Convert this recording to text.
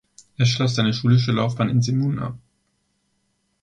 Er schloss seine schulische Laufbahn in Zemun ab.